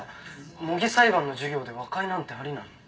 模擬裁判の授業で和解なんてありなの？